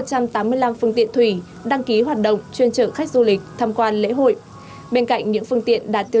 có một trăm tám mươi năm phương tiện thủy đăng ký hoạt động chuyên chở khách du lịch tham quan lễ hội